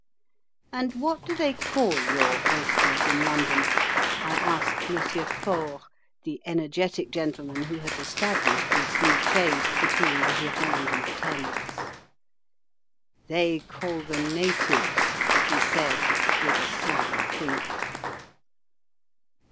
"And what do they call your oysters in London?" I asked M. Faure, the energetic gentleman who has established this new trade between the Gironde and the Thames. "They call them 'Natives'," he said, with a sly twinkle.